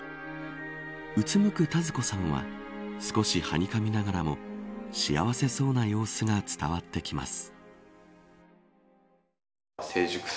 うつむく田鶴子さんは少し、はにかみながらも幸せそうな様子が伝わってきます。